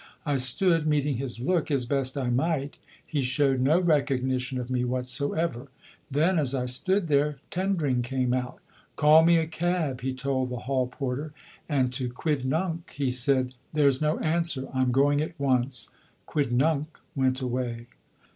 I stood, meeting his look as best I might. He showed no recognition of me whatsoever. Then, as I stood there, Tendring came out. "Call me a cab," he told the hall porter; and to Quidnunc he said, "There's no answer. I'm going at once." Quidnunc went away.